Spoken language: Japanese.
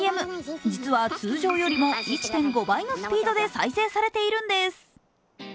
実は通常よりも１．５倍のスピードで再生されているんです。